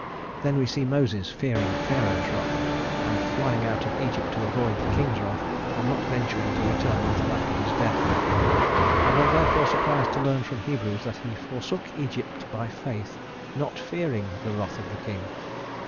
Then we see Moses fearing Pharaoh's wrath, and flying out of Egypt to avoid the king's wrath, and not venturing to return until after his death, and are therefore surprised to learn from Hebrews that he forsook Egypt by faith, not fearing the wrath of the king.